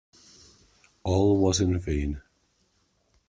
All was in vain.